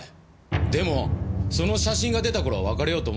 でもその写真が出た頃は別れようと思ってました。